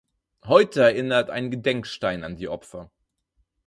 Heute erinnert ein Gedenkstein an die Opfer.